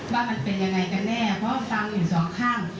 ว่ามันเป็นยังไงกันแน่เพราะฟังอยู่สองข้าง